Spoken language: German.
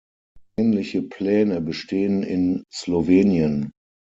Ähnliche Pläne bestehen in Slowenien.